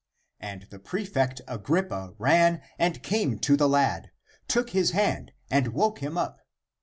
And the prefect Agrippa ran and came to the lad, took his hand, and woke him up.